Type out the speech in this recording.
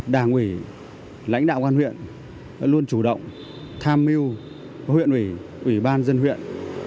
đảng ủy lãnh đạo quan huyện luôn chủ động tham mưu huyện ủy ủy ban dân huyện